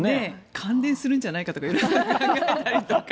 感電するんじゃないかと色々考えたりとか。